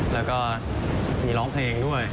แล้วก็มีร้องเพลงด้วย